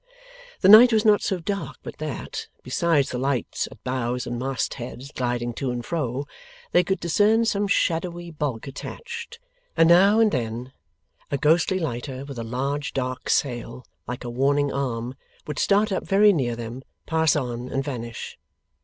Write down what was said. The night was not so dark but that, besides the lights at bows and mastheads gliding to and fro, they could discern some shadowy bulk attached; and now and then a ghostly lighter with a large dark sail, like a warning arm, would start up very near them, pass on, and vanish.